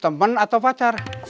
temen atau pacar